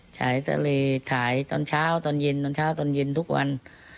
ฉายทะเลฉายตอนเช้าตอนเย็นตอนเช้าตอนเย็นทุกวัน